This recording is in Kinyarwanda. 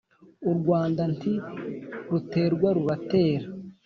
u Rwanda nti ruterwa rura tera